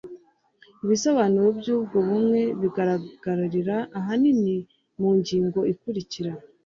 ibisobanuro by'ubwo bumwe biragaragarira ahanini mu ngingo ikurikira